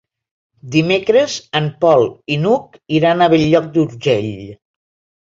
Dimecres en Pol i n'Hug iran a Bell-lloc d'Urgell.